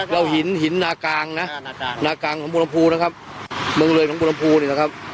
แล้วหินหน้ากลางนะหน้ากลางของพวกน้ำพูนะครับเมืองเรือของพวกน้ำพูนี่นะครับ